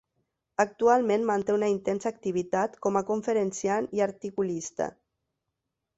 Actualment manté una intensa activitat com a conferenciant i articulista.